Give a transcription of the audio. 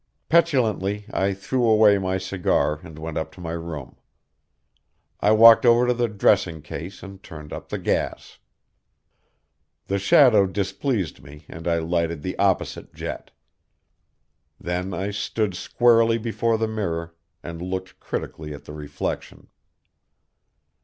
Petulantly I threw away my cigar and went up to my room. I walked over to the dressing case and turned up the gas. The shadow displeased me and I lighted the opposite jet. Then I stood squarely before the mirror and looked critically at the reflection.